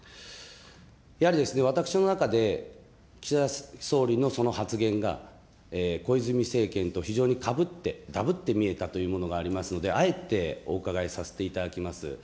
やはりですね、私の中で、岸田総理のその発言が小泉政権と非常にかぶって、だぶって見えたという部分がありますので、あえてお伺いさせていただきます。